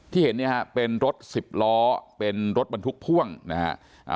เห็นเนี่ยฮะเป็นรถสิบล้อเป็นรถบรรทุกพ่วงนะฮะ